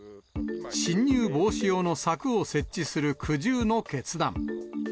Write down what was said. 侵入防止用の柵を設置する苦渋の決断。